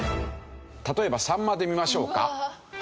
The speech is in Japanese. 例えばさんまで見ましょうか。